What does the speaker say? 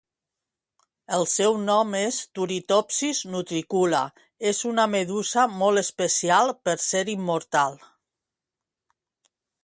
El seu nom és Turritopsis Nutricula és una medusa molt especial per ser immortal